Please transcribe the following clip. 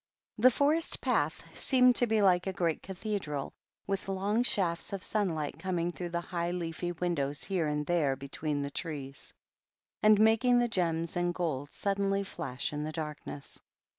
The forest path seemed to be like a great cathedral, with long shafts of sunlight coming through the high leafy windows here and there between the trees, and making the gems and gold suddenly flash in the darkness.